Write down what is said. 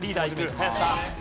林さん。